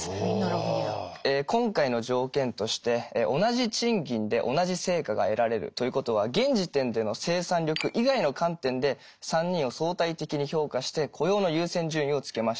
今回の条件として同じ賃金で同じ成果が得られるということは現時点での生産力以外の観点で３人を相対的に評価して雇用の優先順位をつけました。